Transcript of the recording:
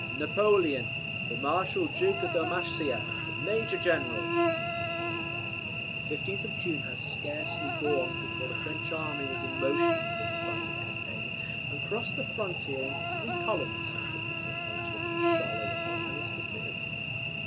"NAPOLEON." "THE MARSHAL DUKE OF DALMATIA. MAJOR GENERAL." The 15th of June had scarcely dawned before the French army was in motion for the decisive campaign, and crossed the frontier in three columns, which were pointed upon Charleroi and its vicinity.